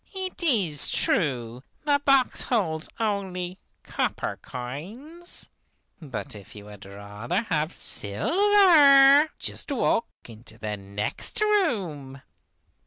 It is true the box holds only copper coins, but if you would rather have silver, just walk into the next room.